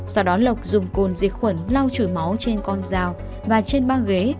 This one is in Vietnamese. sau đó lộc dùng côn diệt khuẩn lau chuỗi máu trên con dao và trên băng ghế